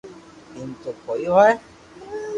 ايم تو ڪوئي ھوئي